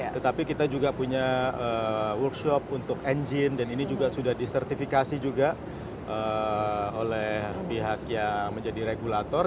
tetapi kita juga punya workshop untuk engine dan ini juga sudah disertifikasi juga oleh pihak yang menjadi regulator